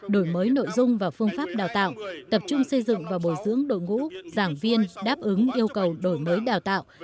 đổi mới nội dung và phương pháp đào tạo tập trung xây dựng và bồi dưỡng đội ngũ giảng viên đáp ứng yêu cầu đổi mới đào tạo